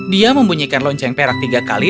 dia membunyikan lonceng perak tiga kali